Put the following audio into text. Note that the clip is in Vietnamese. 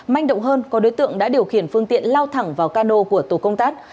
manh động hơn có đối tượng đã điều khiển phương tiện lao thẳng vào cano của tổ công tác